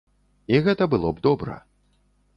І гэта было б добра.